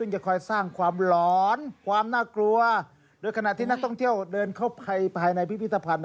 จำได้ไหมสมัยเด็กที่บอกว่ามีพิพิธภัณฑ์